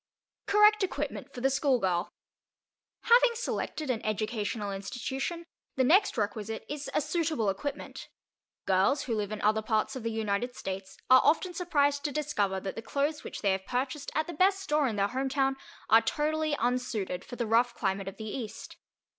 CORRECT EQUIPMENT FOR THE SCHOOLGIRL Having selected an educational institution, the next requisite is a suitable equipment. Girls who live in other parts of the United States are often surprised to discover that the clothes which they have purchased at the best store in their home town are totally unsuited for the rough climate of the East.